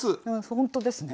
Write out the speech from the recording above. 本当ですね。